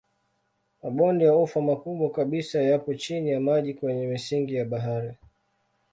Mabonde ya ufa makubwa kabisa yapo chini ya maji kwenye misingi ya bahari.